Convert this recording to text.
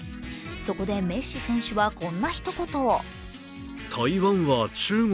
そこでメッシ選手はこんなひと言を。